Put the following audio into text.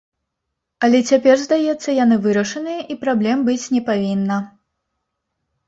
Але цяпер, здаецца, яны вырашаныя і праблем быць не павінна.